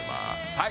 はい。